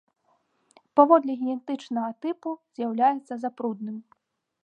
Паводле генетычнага тыпу з'яўляецца запрудным.